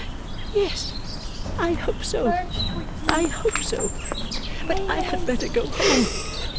'Yes, I hope so, I hope so. But I had better go home!